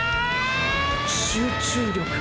集中力！！